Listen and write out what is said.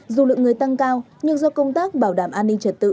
dù lượng người tăng cao nhưng do công tác bảo đảm an ninh trật tự